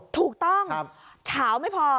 ถูกต้องเฉาไม่พอ